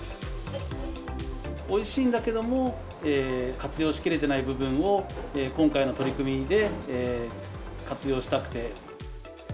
おいしいんだけれども、活用しきれてない部分を、今回の取り組みで活用したくて。